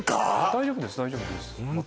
大丈夫です大丈夫です本当？